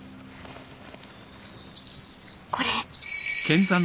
これ。